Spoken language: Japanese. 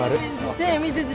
手見せて！